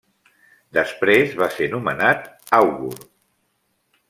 Després va ser nomenat àugur.